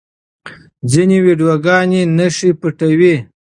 ځینې ویډیوګانې نښې پټوي.